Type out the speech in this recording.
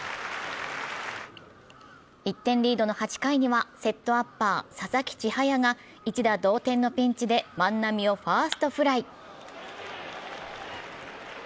１点リードの８回にはセットアッパー・佐々木千隼が一打同点のピンチで万波をファーストフライ。